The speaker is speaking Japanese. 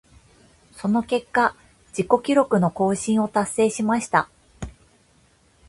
その結果、自己記録の更新を達成しました。